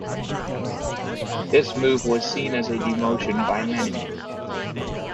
This move was seen as a demotion by many.